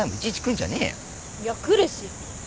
いや来るし。